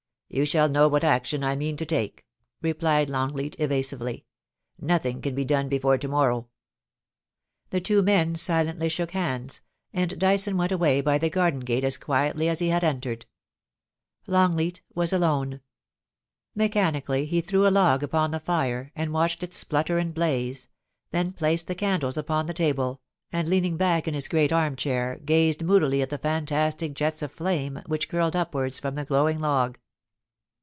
'You shall know what action I mean to take,' replied Longleat, evasively. ' Nothing can be done before to morrow.' The two men silently shook hands, and Dyson went away by the garden gate as (juicily as he had entered. Longleat was alone. Mechanically he threw a log upon the fire, and watched it splutter and blaze, then placed the candles upon the 422 POUCY AND PASSION. table, and, leaning back in his great arm chair, gazed mobdil} at the fantastic jets of flame which curled upwards from the glowing log.